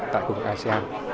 tại khu vực asean